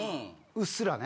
うっすらね。